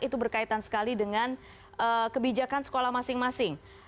itu berkaitan sekali dengan kebijakan sekolah masing masing